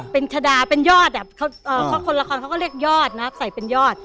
เป็นชะดาเป็นยอดคนละครเขาก็เรียกยอดนะใส่เป็นยอด